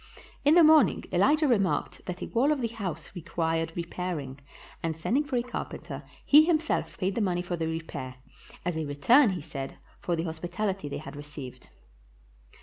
In the morn ing Elijah remarked that a wall of the house required repairing, and sending for a carpenter, he himself paid the money for the repair, as a return, he said, for the hospitaHty they had received.